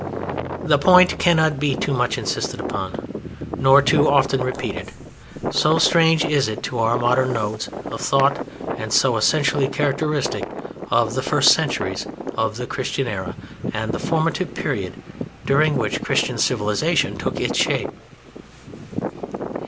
The point cannot be too much insisted upon, nor too often repeated, so strange is it to our modern modes of thought, and so essentially characteristic of the first centuries of the Christian era and the formative period during which Christian civilization took its shape.